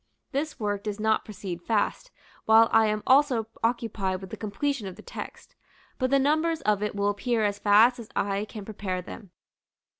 This work does not proceed fast, while I am also occupied with the completion of the text; but the numbers of it will appear as fast as I can prepare them.